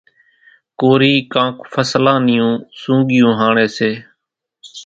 ڪورِي ڪانڪ ڦصلان نِيون سونڳِيون هاڻيَ سي۔